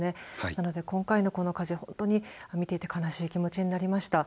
なので今回のこの火事本当に見ていて悲しい気持ちになりました。